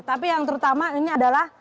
tapi yang terutama ini adalah